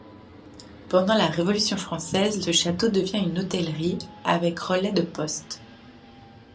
Pendant la Révolution française, le château devient une hôtellerie avec relais de poste.